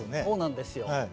そうなんですよ。